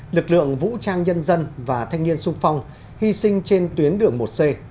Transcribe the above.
lực lượng vũ trang nhân dân và thanh niên sung phong hy sinh trên tuyến đường một c